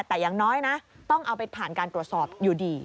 แต่อย่างน้อยนะต้องเอาไปผ่านการตรวจสอบอยู่ดี